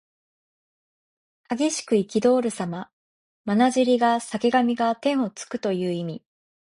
激しくいきどおるさま。まなじりが裂け髪が天をつくという意味。